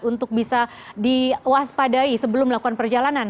untuk bisa diwaspadai sebelum melakukan perjalanan